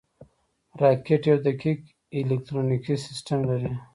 راکټ یو دقیق الکترونیکي سیستم لري